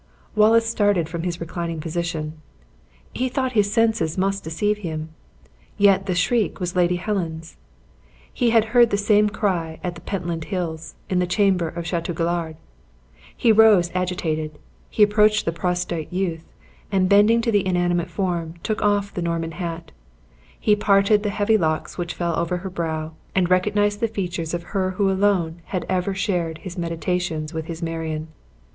Wallace started from his reclining position. He thought his senses must deceive him and yet the shriek was Lady Helen's. He had heard the same cry on the Pentland Hills; in the chamber of Chateau Galliard! He rose agitated; he approached the prostrate youth, and bending to the inanimate form, took off the Norman hat; he parted the heavy locks which fell over her brow, and recognized the features of her who alone had ever shared his meditations with his Marion.